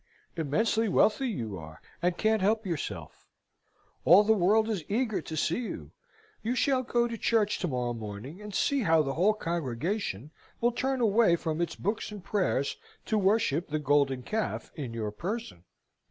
Immensely wealthy you are, and can't help yourself. All the world is eager to see you. You shall go to church to morrow morning, and see how the whole congregation will turn away from its books and prayers, to worship the golden calf in your person.